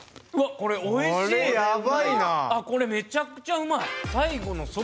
これあこれめちゃくちゃうまい！